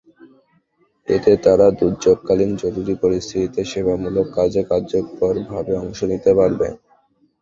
এতে তারা দুর্যোগকালীন জরুরি পরিস্থিতিতে সেবামূলক কাজে কার্যকরভাবে অংশ নিতে পারবে।